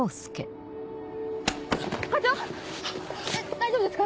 大丈夫ですか？